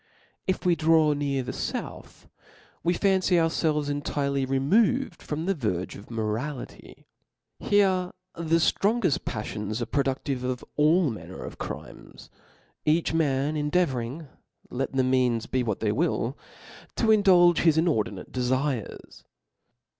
If we draw near the fouth, we fancy ourfclves intirely removed from the verge of morality .• here the ftrongeft paflions are productive of all manner *^ of crimes, each man endeavouring, let the means be what they will, to indulge his inordinate dc fires.